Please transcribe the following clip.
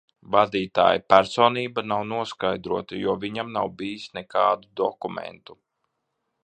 Vadītāja personība nav noskaidrota, jo viņam nav bijis nekādu dokumentu.